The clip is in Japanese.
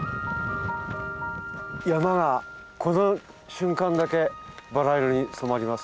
山がこの瞬間だけバラ色に染まります。